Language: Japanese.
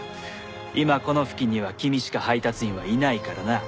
今この付近には君しか配達員はいないからな。